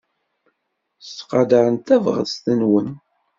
Ttqadarent tabɣest-nwen.